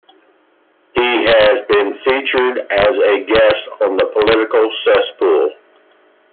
He has been featured as a guest on "The Political Cesspool".